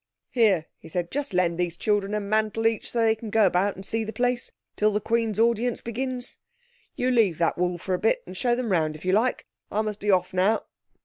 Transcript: "Here," he said, "just lend these children a mantle each, so that they can go about and see the place till the Queen's audience begins. You leave that wool for a bit, and show them round if you like. I must be off now."